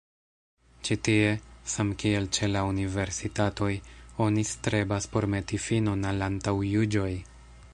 Ĉi tie, samkiel ĉe la universitatoj, oni strebas por meti finon al antaŭjuĝoj".